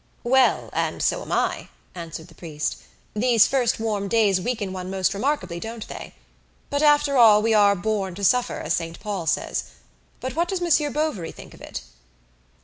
"Well, and so am I," answered the priest. "These first warm days weaken one most remarkably, don't they? But, after all, we are born to suffer, as St. Paul says. But what does Monsieur Bovary think of it?"